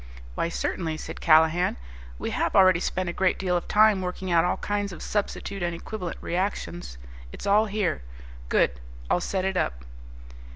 "Why certainly," said Callahan. "We have already spent a great deal of time working out all kinds of substitute and equivalent reactions. It's all here. Good. I'll set it up."